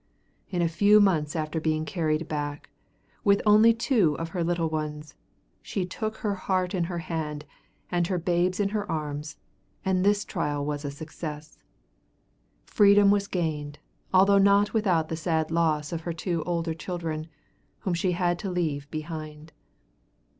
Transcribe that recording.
In a few months after being carried back, with only two of her little ones, she took her heart in her hand and her babes in her arms, and this trial was a success. Freedom was gained, although not without the sad loss of her two older children, whom she had to leave behind.